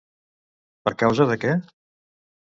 Per causa de què?